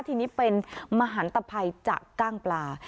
ทีนี้เป็นมหันตภัยจากกล้างปลา